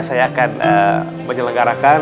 saya akan menyelenggarakan